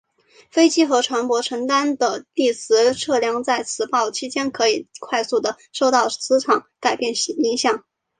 飞机和船舶承担的地磁测量在磁暴期间可以快速的受到磁场改变影响。